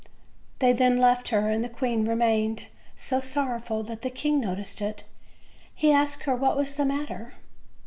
They then left her; and the queen remained so sorrowful that the king noticed it. He asked her what was the matter.